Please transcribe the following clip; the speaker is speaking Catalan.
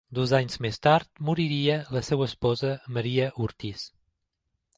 Dos anys més tard moriria la seua esposa, Maria Ortiz.